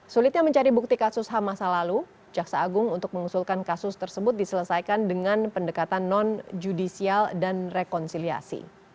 sulitnya mencari bukti kasus ham masa lalu jaksa agung untuk mengusulkan kasus tersebut diselesaikan dengan pendekatan non judicial dan rekonsiliasi